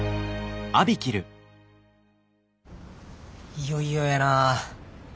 いよいよやな。